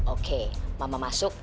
oke mama masuk